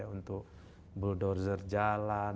untuk bulldozer jalan